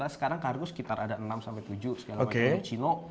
sekarang cargo sekitar ada enam tujuh sekitar tujuh juta cino